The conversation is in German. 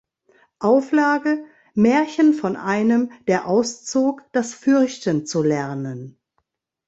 Auflage "Märchen von einem, der auszog, das Fürchten zu lernen".